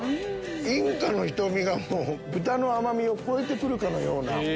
インカのひとみが豚の甘みを超えて来るかのような。